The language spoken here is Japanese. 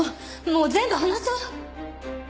もう全部話そう。